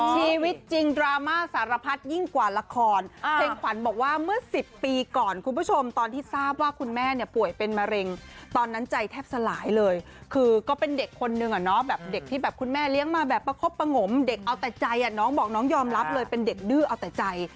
ชีวิตจริงดราม่าสารพัดยิ่งกว่าละครเพลงขวัญบอกว่าเมื่อ๑๐ปีก่อนคุณผู้ชมตอนที่ทราบว่าคุณแม่เนี่ยป่วยเป็นมะเร็งตอนนั้นใจแทบสลายเลยคือก็เป็นเด็กคนนึงอะเนาะแบบเด็กที่แบบคุณแม่เลี้ยงมาแบบประคบประงมเด็กเอาแต่ใจน้องบอกน้องยอมรับเลยเป็นเด็กดื้อเอาแต่ใจ